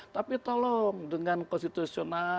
tapi tolong dengan konstitusional